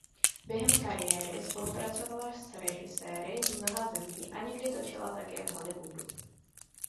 Během kariéry spolupracovala s režiséry mnoha zemí a někdy točila také v Hollywoodu.